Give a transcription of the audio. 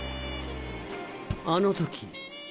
あの時。